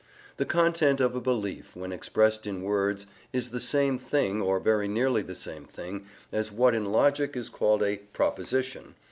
The content of a belief, when expressed in words, is the same thing (or very nearly the same thing) as what in logic is called a "proposition."